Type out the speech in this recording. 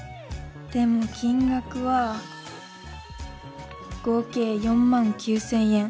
でも金額は合計４万９０００円。